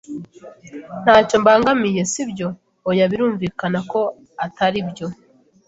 "Ntacyo mbangamiye, si byo?" "Oya, birumvikana ko atari byo."